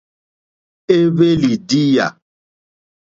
Éhwélì díyà.